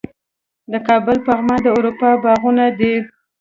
د کابل پغمان د اروپا باغونه دي